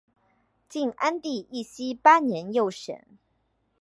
晋安帝义熙八年又省。